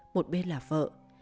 một bên là vợ